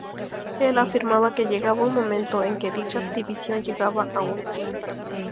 Él afirmaba que llegaba un momento en que dicha división llegaba a un fin.